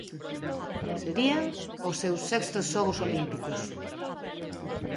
Serían os seus sextos xogos olímpicos.